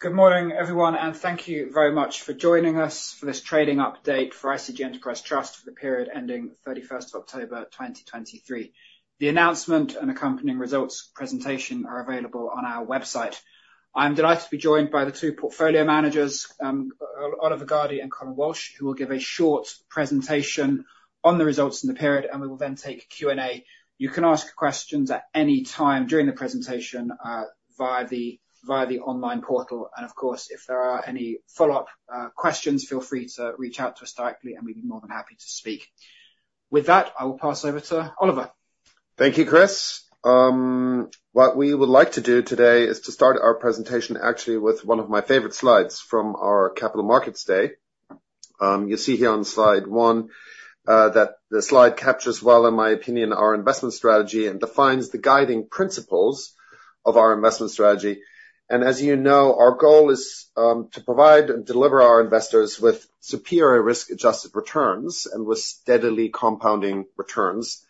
Good morning, everyone, and thank you very much for joining us for this trading update for ICG Enterprise Trust for the period ending 31st of October, 2023. The announcement and accompanying results presentation are available on our website. I'm delighted to be joined by the two portfolio managers, Oliver Gardey and Colm Walsh, who will give a short presentation on the results in the period, and we will then take Q&A. You can ask questions at any time during the presentation via the online portal. And of course, if there are any follow-up questions, feel free to reach out to us directly, and we'd be more than happy to speak. With that, I will pass over to Oliver. Thank you, Chris. What we would like to do today is to start our presentation actually with one of my favorite slides from our capital markets day. You see here on slide one that the slide captures well, in my opinion, our investment strategy and defines the guiding principles of our investment strategy. And as you know, our goal is to provide and deliver our investors with superior risk-adjusted returns and with steadily compounding returns,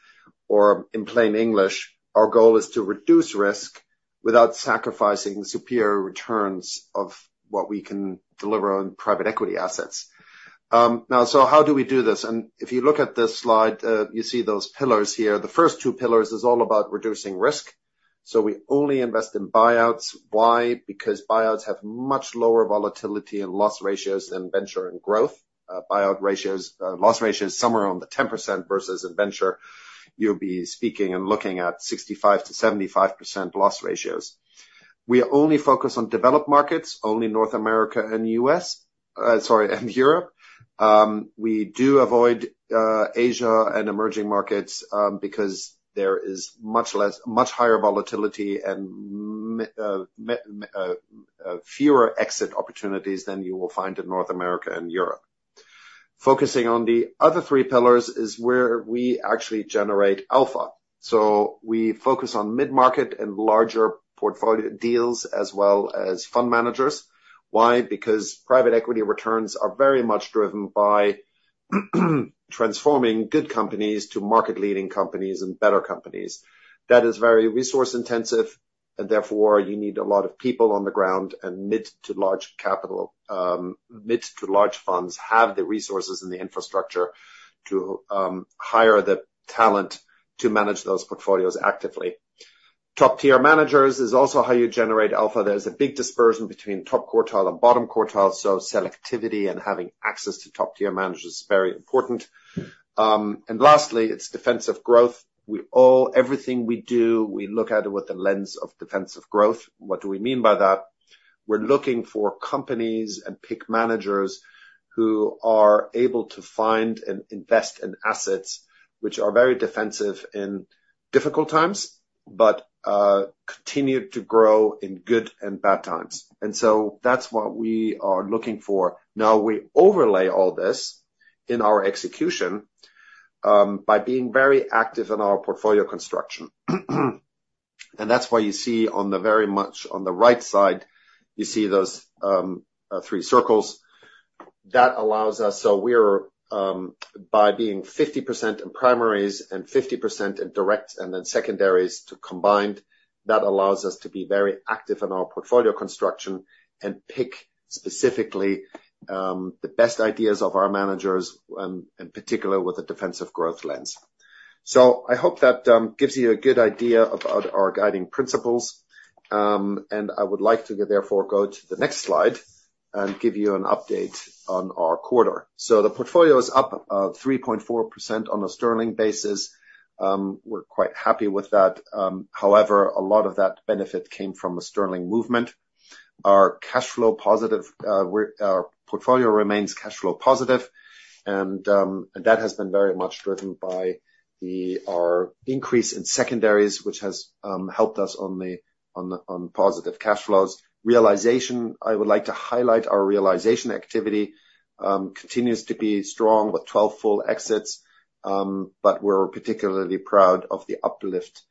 or in plain English, our goal is to reduce risk without sacrificing superior returns of what we can deliver on private equity assets. Now, so how do we do this? And if you look at this slide, you see those pillars here. The first two pillars is all about reducing risk. So we only invest in buyouts. Why? Because buyouts have much lower volatility and loss ratios than venture and growth. Buyout ratios, loss ratios, somewhere around the 10% versus a venture, you'll be speaking and looking at 65%-75% loss ratios. We only focus on developed markets, only North America and US, sorry, and Europe. We do avoid Asia and emerging markets, because there is much higher volatility and fewer exit opportunities than you will find in North America and Europe. Focusing on the other three pillars is where we actually generate alpha. So we focus on mid-market and larger portfolio deals, as well as fund managers. Why? Because private equity returns are very much driven by transforming good companies to market-leading companies and better companies. That is very resource-intensive, and therefore, you need a lot of people on the ground, and mid to large capital, mid to large funds have the resources and the infrastructure to hire the talent to manage those portfolios actively. Top-tier managers is also how you generate alpha. There's a big dispersion between top quartile and bottom quartile, so selectivity and having access to top-tier managers is very important. And lastly, it's defensive growth. Everything we do, we look at it with the lens of defensive growth. What do we mean by that? We're looking for companies and pick managers who are able to find and invest in assets which are very defensive in difficult times, but continue to grow in good and bad times. And so that's what we are looking for. Now, we overlay all this in our execution, by being very active in our portfolio construction. That's why you see on the very much on the right side, you see those, three circles. That allows us. We are, by being 50% in primaries and 50% in direct and then secondaries to combined, that allows us to be very active in our portfolio construction and pick specifically, the best ideas of our managers, in particular with a defensive growth lens. I hope that gives you a good idea about our guiding principles, and I would like to therefore go to the next slide and give you an update on our quarter. The portfolio is up, 3.4% on a sterling basis. We're quite happy with that. However, a lot of that benefit came from a sterling movement. Our cash flow positive, our portfolio remains cash flow positive, and that has been very much driven by our increase in secondaries, which has helped us on positive cash flows. Realization, I would like to highlight our realization activity continues to be strong with 12 full exits, but we're particularly proud of the uplift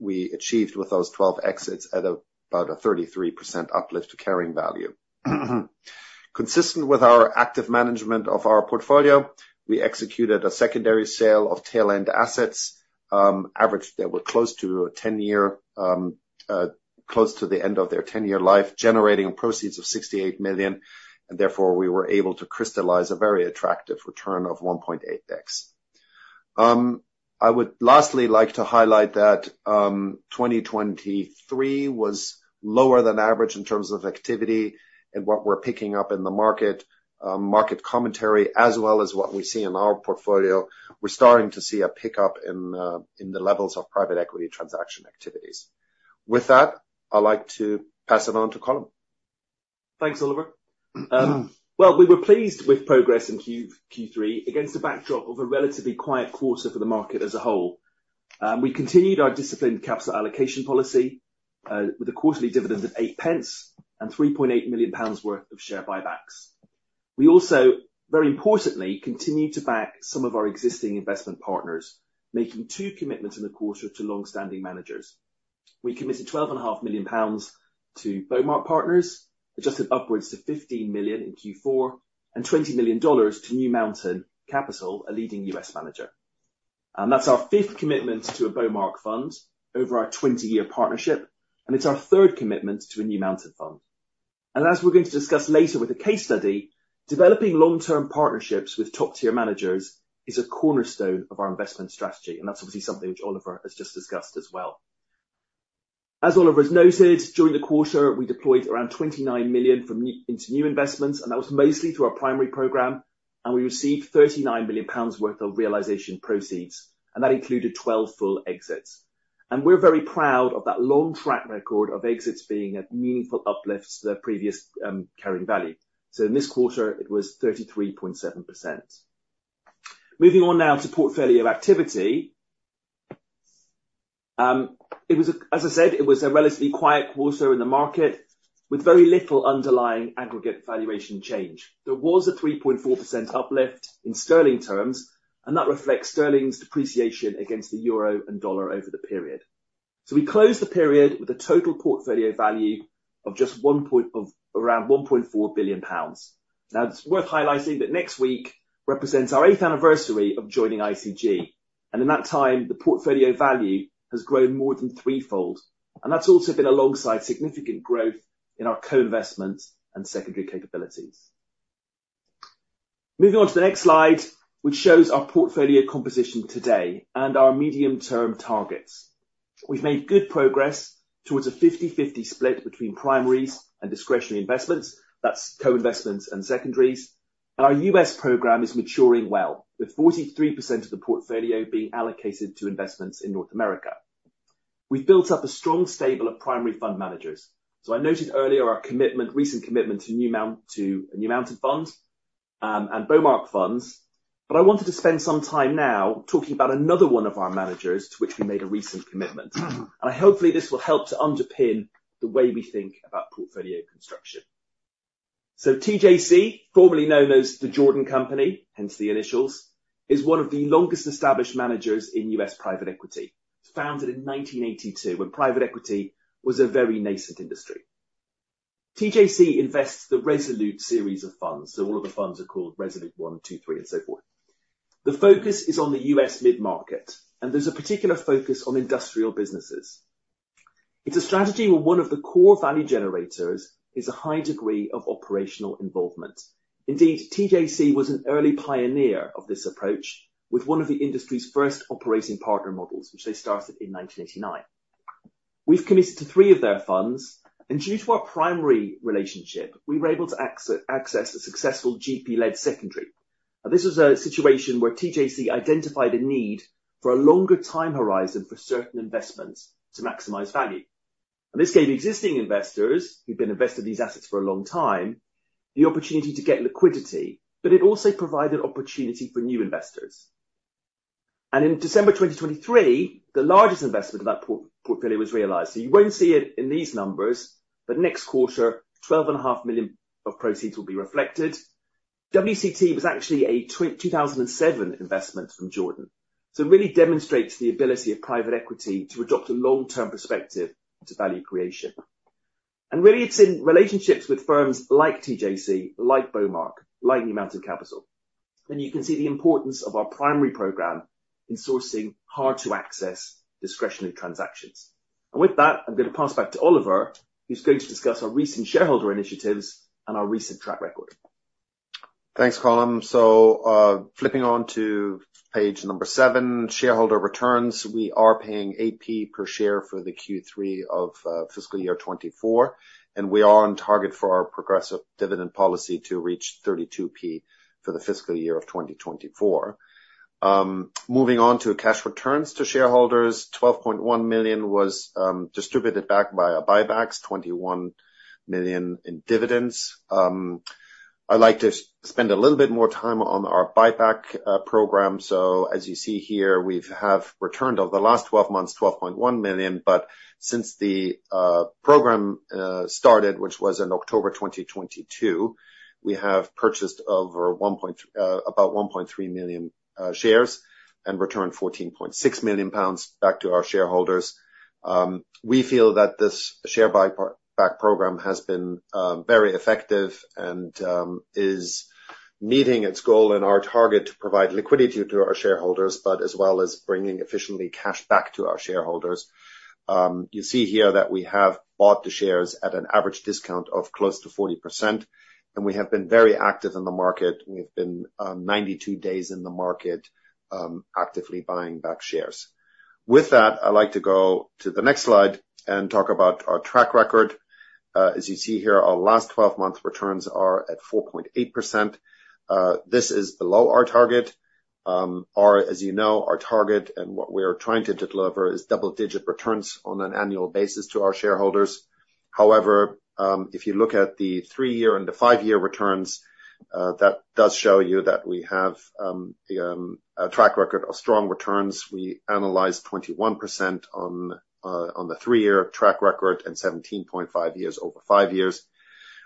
we achieved with those 12 exits at about a 33% uplift to carrying value. Consistent with our active management of our portfolio, we executed a secondary sale of tail-end assets average that were close to a 10-year, close to the end of their 10-year life, generating proceeds of 68 million, and therefore we were able to crystallize a very attractive return of 1.8x. I would lastly like to highlight that, 2023 was lower than average in terms of activity and what we're picking up in the market, market commentary, as well as what we see in our portfolio. We're starting to see a pickup in, in the levels of private equity transaction activities. With that, I'd like to pass it on to Colm. Thanks, Oliver. Well, we were pleased with progress in Q3, against a backdrop of a relatively quiet quarter for the market as a whole. We continued our disciplined capital allocation policy, with a quarterly dividend of 8 pence and 3.8 million pounds worth of share buybacks. We also, very importantly, continued to back some of our existing investment partners, making two commitments in the quarter to long-standing managers. We committed 12.5 million pounds to Bowmark Partners, adjusted upwards to 15 million in Q4, and $20 million to New Mountain Capital, a leading U.S. manager. And that's our fifth commitment to a Bowmark fund over our 20-year partnership, and it's our third commitment to a New Mountain fund. And as we're going to discuss later with a case study, developing long-term partnerships with top-tier managers is a cornerstone of our investment strategy, and that's obviously something which Oliver has just discussed as well. As Oliver has noted, during the quarter, we deployed around 29 million into new investments, and that was mostly through our primary program, and we received 39 million pounds worth of realization proceeds, and that included 12 full exits. And we're very proud of that long track record of exits being a meaningful uplift to the previous carrying value. So in this quarter, it was 33.7%. Moving on now to portfolio activity. It was, as I said, a relatively quiet quarter in the market, with very little underlying aggregate valuation change. There was a 3.4% uplift in sterling terms, and that reflects sterling's depreciation against the euro and dollar over the period. So we closed the period with a total portfolio value of just one point—of around 1.4 billion pounds. Now, it's worth highlighting that next week represents our eighth anniversary of joining ICG, and in that time, the portfolio value has grown more than threefold, and that's also been alongside significant growth in our co-investment and secondary capabilities. Moving on to the next slide, which shows our portfolio composition today and our medium-term targets. We've made good progress towards a 50/50 split between primaries and discretionary investments, that's co-investments and secondaries, and our U.S. program is maturing well, with 43% of the portfolio being allocated to investments in North America. We've built up a strong stable of primary fund managers. So I noted earlier our commitment, recent commitment to New Mountain Fund, and Bowmark Funds. But I wanted to spend some time now talking about another one of our managers, to which we made a recent commitment. And hopefully, this will help to underpin the way we think about portfolio construction. So TJC, formerly known as The Jordan Company, hence the initials, is one of the longest-established managers in U.S. private equity. It was founded in 1982, when private equity was a very nascent industry. TJC invests the Resolute series of funds, so all of the funds are called Resolute One, Two, Three, and so forth. The focus is on the U.S. mid-market, and there's a particular focus on industrial businesses. It's a strategy where one of the core value generators is a high degree of operational involvement. Indeed, TJC was an early pioneer of this approach, with one of the industry's first operating partner models, which they started in 1989. We've committed to three of their funds, and due to our primary relationship, we were able to access a successful GP-led secondary. Now, this was a situation where TJC identified a need for a longer time horizon for certain investments to maximize value. This gave existing investors, who've been invested in these assets for a long time, the opportunity to get liquidity, but it also provided opportunity for new investors. In December 2023, the largest investment in that portfolio was realized. So you won't see it in these numbers, but next quarter, 12.5 million of proceeds will be reflected. WCT was actually a 2007 investment from Jordan, so it really demonstrates the ability of private equity to adopt a long-term perspective to value creation. Really, it's in relationships with firms like TJC, like Bomark, like New Mountain Capital, and you can see the importance of our primary program in sourcing hard-to-access discretionary transactions. With that, I'm going to pass it back to Oliver, who's going to discuss our recent shareholder initiatives and our recent track record. Thanks, Colm. Flipping on to page 7, shareholder returns. We are paying 30p per share for the Q3 of fiscal year 2024, and we are on target for our progressive dividend policy to reach 32p for the fiscal year of 2024. Moving on to cash returns to shareholders, 12.1 million was distributed back via buybacks, 21 million in dividends. I'd like to spend a little bit more time on our buyback program. As you see here, we've returned over the last 12 months 12.1 million, but since the program started, which was in October 2022, we have purchased over about 1.3 million shares and returned 14.6 million pounds back to our shareholders. We feel that this share buyback program has been very effective and is meeting its goal and our target to provide liquidity to our shareholders, but as well as bringing efficiently cash back to our shareholders. You see here that we have bought the shares at an average discount of close to 40%, and we have been very active in the market. We've been 92 days in the market, actively buying back shares. With that, I'd like to go to the next slide and talk about our track record. As you see here, our last 12-month returns are at 4.8%. This is below our target. Our, as you know, our target, and what we are trying to deliver is double-digit returns on an annual basis to our shareholders. However, if you look at the three-year and the five-year returns, that does show you that we have a track record of strong returns. We analyzed 21% on the three-year track record and 17.5% over five years.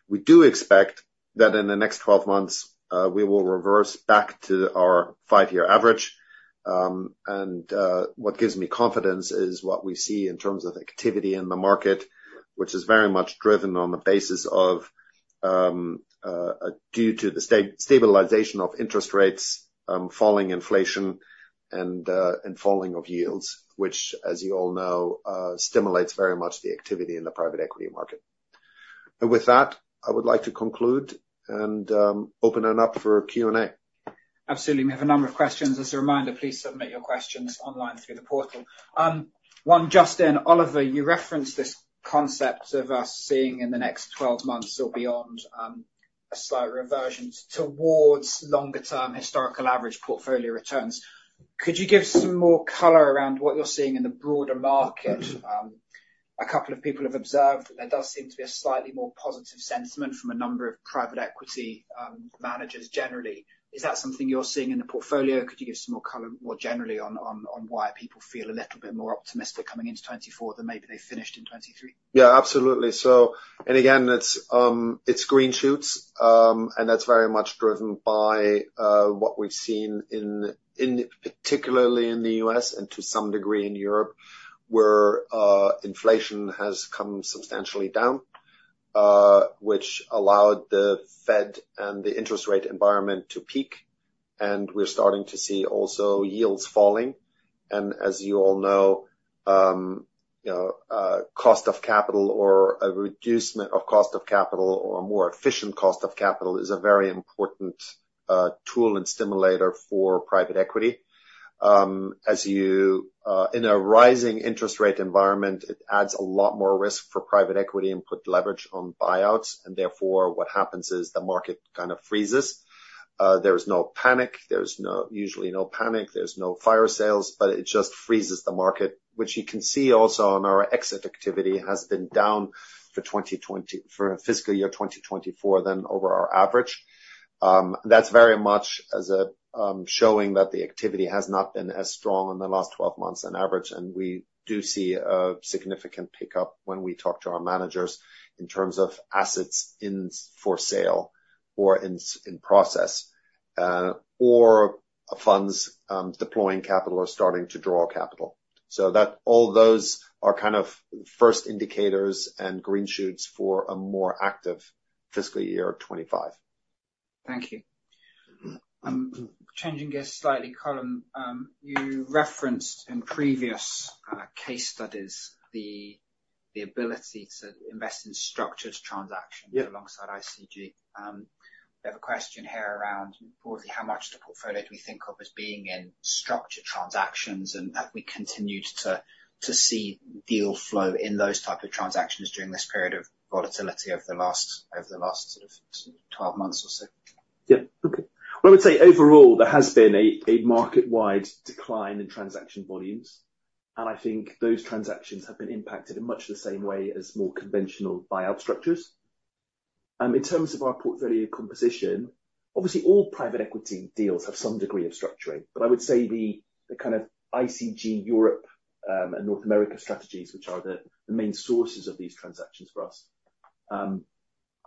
We do expect that in the next 12 months, we will reverse back to our five-year average. And what gives me confidence is what we see in terms of activity in the market, which is very much driven on the basis of due to the stabilization of interest rates, falling inflation and falling yields, which, as you all know, stimulates very much the activity in the private equity market. And with that, I would like to conclude and open it up for Q&A. Absolutely. We have a number of questions. As a reminder, please submit your questions online through the portal. One just in, Oliver, you referenced this concept of us seeing in the next 12 months or beyond, a slight reversion towards longer-term historical average portfolio returns. Could you give some more color around what you're seeing in the broader market? A couple of people have observed there does seem to be a slightly more positive sentiment from a number of private equity managers, generally. Is that something you're seeing in the portfolio? Could you give some more color, more generally, on why people feel a little bit more optimistic coming into 2024 than maybe they finished in 2023? Yeah, absolutely. So, and again, it's, it's green shoots, and that's very much driven by, what we've seen in, particularly in the U.S., and to some degree in Europe, where, inflation has come substantially down, which allowed the Fed and the interest rate environment to peak, and we're starting to see also yields falling. And as you all know, you know, cost of capital or a reduction of cost of capital, or a more efficient cost of capital is a very important, tool and stimulator for private equity. As you-- in a rising interest rate environment, it adds a lot more risk for private equity and put leverage on buyouts, and therefore, what happens is the market kind of freezes. There is no panic, there's no... Usually no panic, there's no fire sales, but it just freezes the market, which you can see also on our exit activity has been down for 2024 than over our average. That's very much as a showing that the activity has not been as strong in the last 12 months on average, and we do see a significant pickup when we talk to our managers in terms of assets in for sale or in process, or funds deploying capital or starting to draw capital. So that, all those are kind of first indicators and green shoots for a more active fiscal year of 2025. Thank you. Changing gears slightly, Colm, you referenced in previous case studies the ability to invest in structured transactions. Yeah. Alongside ICG. We have a question here around broadly, how much of the portfolio do we think of as being in structured transactions, and have we continued to see deal flow in those type of transactions during this period of volatility over the last sort of 12 months or so? Yeah. Okay. Well, I would say overall, there has been a market-wide decline in transaction volumes, and I think those transactions have been impacted in much the same way as more conventional buyout structures. In terms of our portfolio composition, obviously all private equity deals have some degree of structuring, but I would say the kind of ICG Europe and North America strategies, which are the main sources of these transactions for us,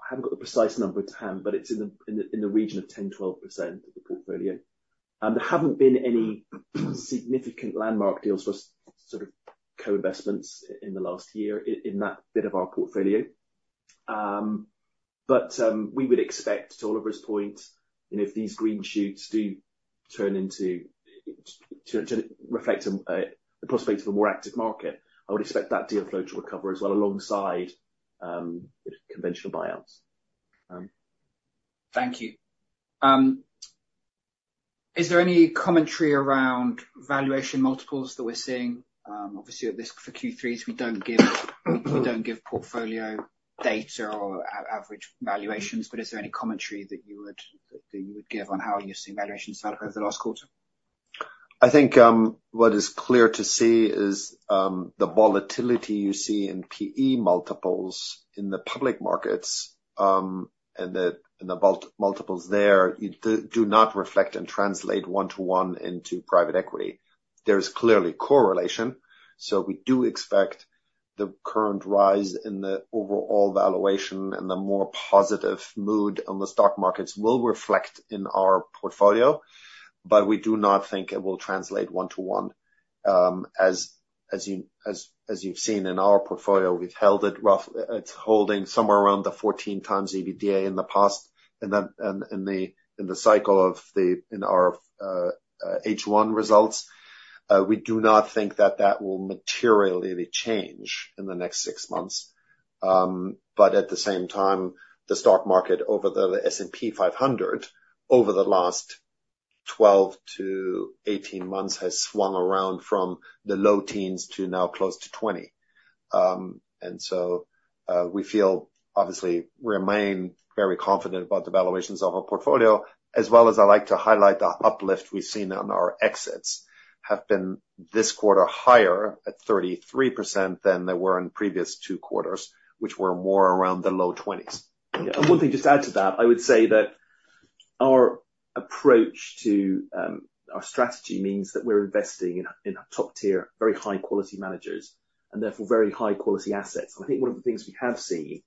I haven't got the precise number to hand, but it's in the region of 10%-12% of the portfolio. There haven't been any significant landmark deals for sort of co-investments in the last year in that bit of our portfolio. But we would expect, to Oliver's point, you know, if these green shoots do turn into to reflect the possibility of a more active market, I would expect that deal flow to recover as well, alongside conventional buyouts. Thank you. Is there any commentary around valuation multiples that we're seeing? Obviously, at this for Q3's, we don't give, we don't give portfolio data or average valuations, but is there any commentary that you would, that you would give on how you see valuations develop over the last quarter? I think what is clear to see is the volatility you see in PE multiples in the public markets, and the multiples there. It does not reflect and translate 1-to-1 into private equity. There is clearly correlation, so we do expect the current rise in the overall valuation and the more positive mood on the stock markets will reflect in our portfolio, but we do not think it will translate 1-to-1. As you've seen in our portfolio, we've held it roughly—it's holding somewhere around the 14x EBITDA in the past, and then in the cycle of our H1 results. We do not think that that will materially change in the next six months. But at the same time, the stock market over the S&P 500, over the last 12-18 months, has swung around from the low teens to now close to 20. So, we feel obviously remain very confident about the valuations of our portfolio, as well as I'd like to highlight, the uplift we've seen on our exits have been, this quarter, higher at 33% than they were in previous two quarters, which were more around the low 20s. And one thing just to add to that, I would say that our approach to our strategy means that we're investing in in top-tier, very high-quality managers, and therefore, very high-quality assets. I think one of the things we have seen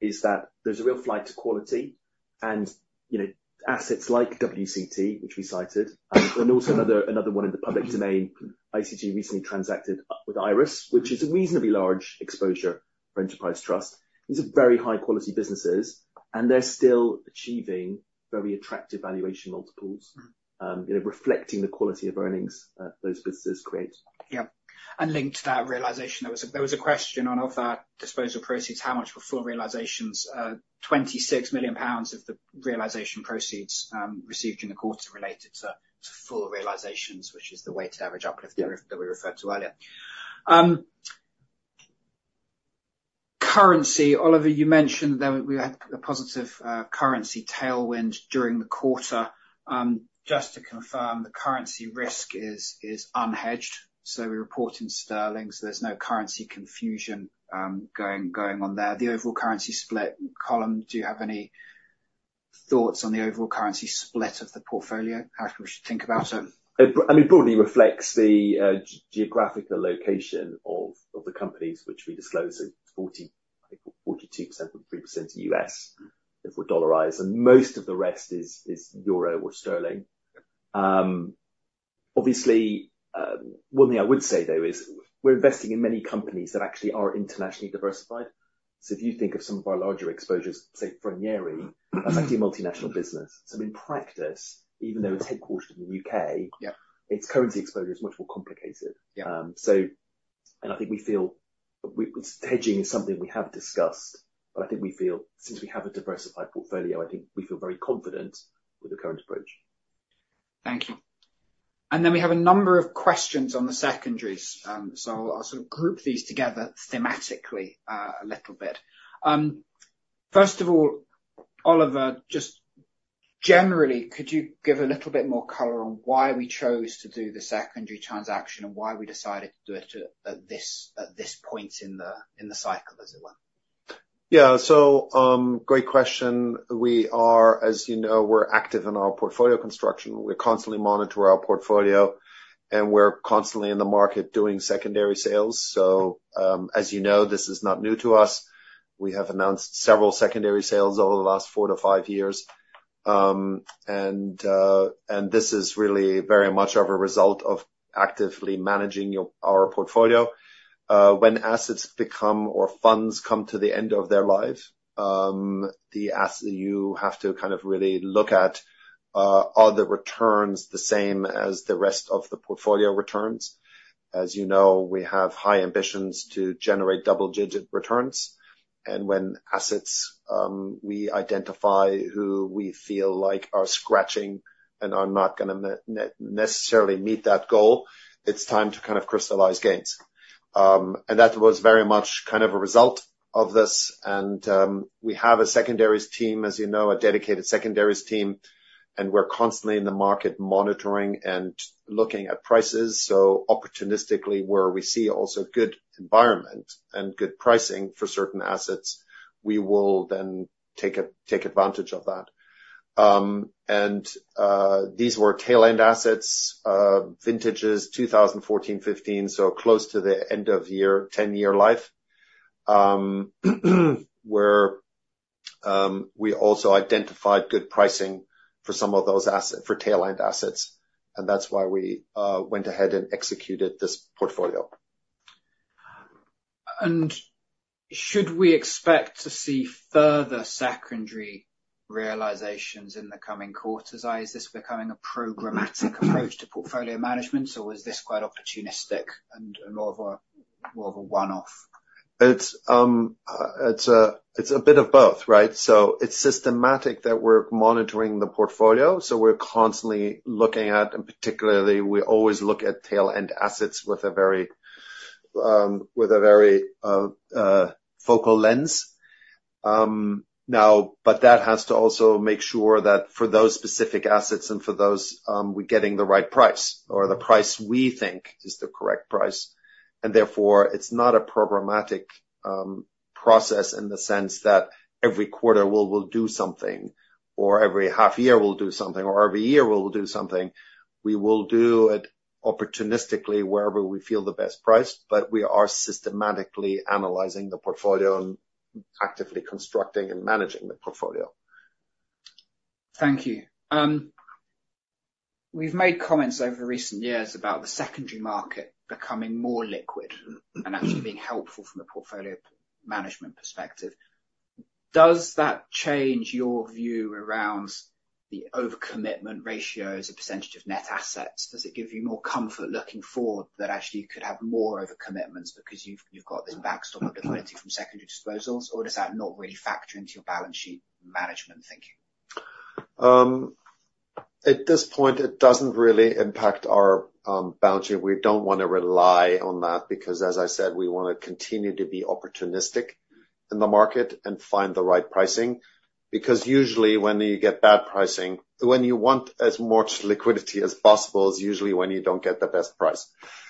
is that there's a real flight to quality and, you know, assets like WCT, which we cited, and also another, another one in the public domain, ICG recently transacted up with Iris, which is a reasonably large exposure for Enterprise Trust. These are very high quality businesses, and they're still achieving very attractive valuation multiples, you know, reflecting the quality of earnings those businesses create. Yeah, and linked to that realization, there was a question on of that disposal proceeds, how much were full realizations? Twenty-six million pounds of the realization proceeds received in the quarter related to full realizations, which is the weighted average uplift that we referred to earlier. Currency, Oliver, you mentioned that we had a positive currency tailwind during the quarter. Just to confirm, the currency risk is unhedged, so we report in sterling, so there's no currency confusion going on there. The overall currency split, ColM, do you have any thoughts on the overall currency split of the portfolio? How we should think about it? It, I mean, broadly reflects the geographical location of the companies which we disclose in 40, I think 42% or 3% US, if we dollarize, and most of the rest is euro or sterling. Obviously, one thing I would say, though, is we're investing in many companies that actually are internationally diversified. So if you think of some of our larger exposures, say, Froneri, that's actually a multinational business. So in practice, even though it's headquartered in the UK. Yeah. Its currency exposure is much more complicated. Yeah. I think we feel hedging is something we have discussed, but I think we feel since we have a diversified portfolio, I think we feel very confident with the current approach. Thank you. And then we have a number of questions on the secondaries. So I'll sort of group these together thematically a little bit. First of all, Oliver, just generally, could you give a little bit more color on why we chose to do the secondary transaction and why we decided to do it at this point in the cycle, as it were? Yeah. So, great question. We are, as you know, we're active in our portfolio construction. We constantly monitor our portfolio, and we're constantly in the market doing secondary sales. So, as you know, this is not new to us. We have announced several secondary sales over the last 4-5 years. And this is really very much of a result of actively managing your, our portfolio. When assets become or funds come to the end of their life, you have to kind of really look at, are the returns the same as the rest of the portfolio returns? As you know, we have high ambitions to generate double-digit returns, and when assets, we identify who we feel like are scratching and are not gonna necessarily meet that goal, it's time to kind of crystallize gains. And that was very much kind of a result of this, and we have a secondaries team, as you know, a dedicated secondaries team, and we're constantly in the market monitoring and looking at prices. So opportunistically, where we see also good environment and good pricing for certain assets, we will then take advantage of that. And these were tail-end assets, vintages 2014, 2015, so close to the end of year, 10-year life. Where we also identified good pricing for some of those assets, for tail-end assets, and that's why we went ahead and executed this portfolio. Should we expect to see further secondary realizations in the coming quarters? Is this becoming a programmatic approach to portfolio management, or is this quite opportunistic and more of a, more of a one-off? It's a bit of both, right? So it's systematic that we're monitoring the portfolio, so we're constantly looking at, and particularly, we always look at tail-end assets with a very focal lens. Now, but that has to also make sure that for those specific assets and for those, we're getting the right price, or the price we think is the correct price, and therefore, it's not a programmatic process in the sense that every quarter we will do something, or every half year we'll do something, or every year we'll do something. We will do it opportunistically wherever we feel the best price, but we are systematically analyzing the portfolio and actively constructing and managing the portfolio. Thank you. We've made comments over recent years about the secondary market becoming more liquid. And actually being helpful from a portfolio management perspective. Does that change your view around the overcommitment ratio as a percentage of net assets? Does it give you more comfort looking forward, that actually you could have more overcommitments because you've, you've got this backstop of liquidity from secondary disposals, or does that not really factor into your balance sheet management thinking? At this point, it doesn't really impact our balance sheet. We don't want to rely on that because, as I said, we wanna continue to be opportunistic in the market and find the right pricing. Because usually when you get bad pricing, when you want as much liquidity as possible, is usually when you don't get the best price.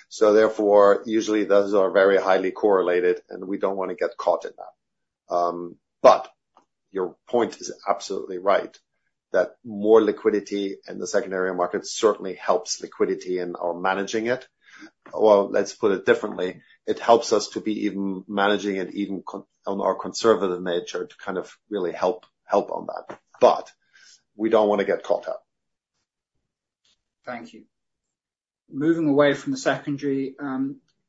So therefore, usually those are very highly correlated, and we don't want to get caught in that. But your point is absolutely right, that more liquidity in the secondary market certainly helps liquidity, and are managing it. Well, let's put it differently. It helps us to be even managing it, even on our conservative nature, to kind of really help on that. But we don't want to get caught up. Thank you. Moving away from the secondary,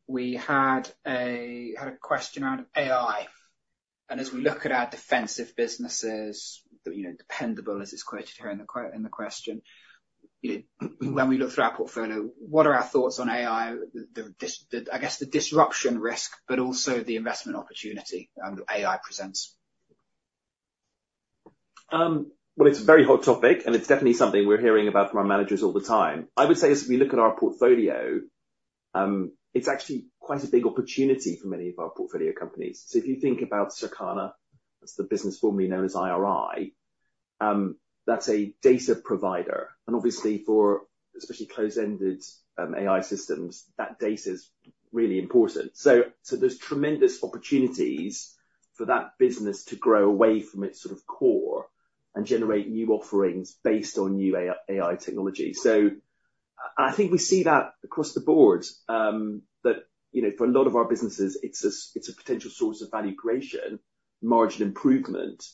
we had a question out of AI, and as we look at our defensive businesses, you know, dependable as it's quoted here in the quote in the question, you know, when we look through our portfolio, what are our thoughts on AI, the disruption risk, but also the investment opportunity AI presents? Well, it's a very hot topic, and it's definitely something we're hearing about from our managers all the time. I would say as we look at our portfolio, it's actually quite a big opportunity for many of our portfolio companies. So if you think about Circana, that's the business formerly known as IRI, that's a data provider, and obviously for especially closed-ended AI systems, that data is really important. So there's tremendous opportunities for that business to grow away from its sort of core and generate new offerings based on new AI technology. So I think we see that across the board, that you know for a lot of our businesses, it's a potential source of value creation, margin improvement,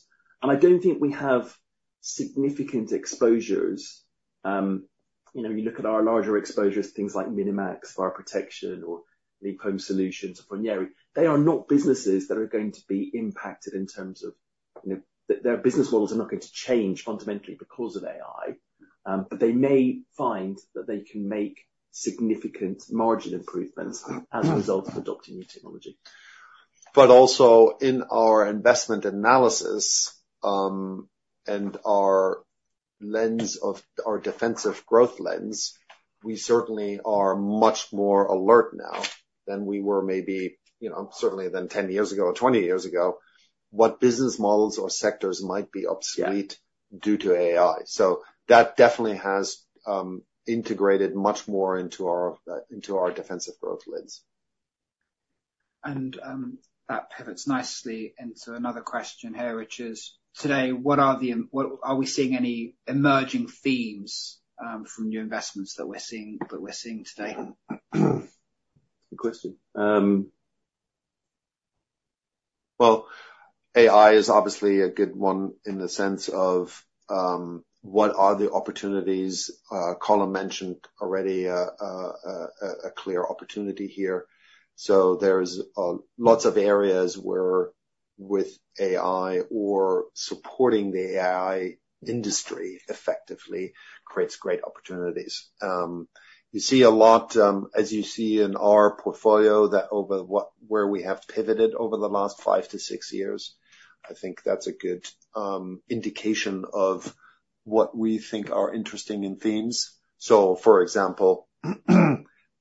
and I don't think we have significant exposures. You know, when you look at our larger exposures, things like Minimax, Fire Protection or the Home Solutions, Froneri, they are not businesses that are going to be impacted in terms of, you know... Their business models are not going to change fundamentally because of AI, but they may find that they can make significant margin improvements as a result of adopting new technology. But also in our investment analysis, and our lens of our Defensive Growth lens, we certainly are much more alert now than we were maybe, you know, certainly than 10 years ago or 20 years ago, what business models or sectors might be obsolete. Yeah Due to AI. So that definitely has integrated much more into our defensive growth lens. And, that pivots nicely into another question here, which is, today, what are we seeing any emerging themes from new investments that we're seeing, that we're seeing today? Good question. Well, AI is obviously a good one in the sense of, what are the opportunities? Colm mentioned already, a clear opportunity here. So there's lots of areas where with AI or supporting the AI industry effectively creates great opportunities. You see a lot, as you see in our portfolio, that where we have pivoted over the last 5-6 years, I think that's a good indication of what we think are interesting in themes. So for example,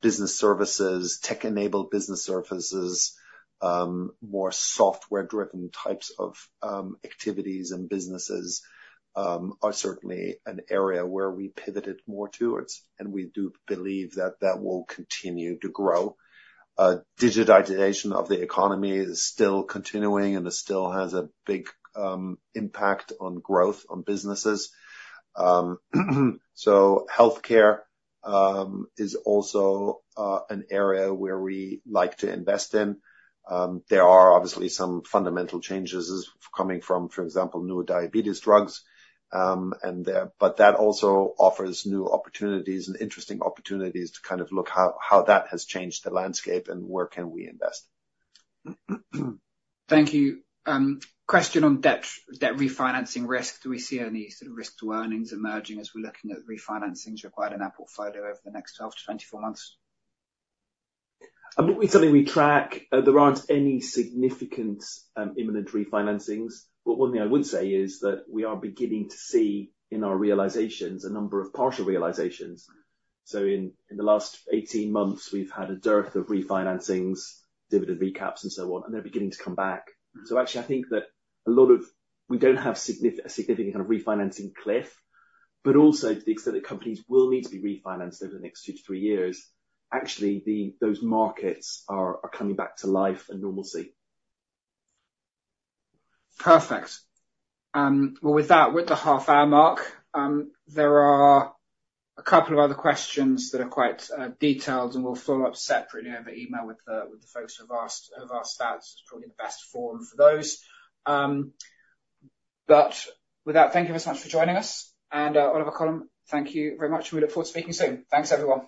business services, tech-enabled business services, more software-driven types of activities and businesses are certainly an area where we pivoted more towards, and we do believe that that will continue to grow. Digitization of the economy is still continuing and still has a big impact on growth on businesses. So healthcare is also an area where we like to invest in. There are obviously some fundamental changes coming from, for example, new diabetes drugs. But that also offers new opportunities and interesting opportunities to kind of look how, how that has changed the landscape and where can we invest. Thank you. Question on debt, debt refinancing risk. Do we see any sort of risk to earnings emerging as we're looking at refinancings required in our portfolio over the next 12-24 months? I think it's something we track. There aren't any significant imminent refinancings, but one thing I would say is that we are beginning to see in our realizations a number of partial realizations. So in the last 18 months, we've had a dearth of refinancings, dividend recaps, and so on, and they're beginning to come back. So actually, I think that a lot of... We don't have a significant kind of refinancing cliff, but also to the extent that companies will need to be refinanced over the next 2-3 years, actually, those markets are coming back to life and normalcy. Perfect. Well, with that, we're at the half-hour mark. There are a couple of other questions that are quite detailed, and we'll follow up separately over email with the folks who have asked that. It's probably the best forum for those. But with that, thank you very much for joining us, and Oliver, Colm, thank you very much. We look forward to speaking soon. Thanks, everyone.